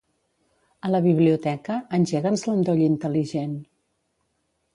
A la biblioteca, engega'ns l'endoll intel·ligent.